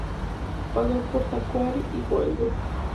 Pasó por Tacuary, y por el Dep.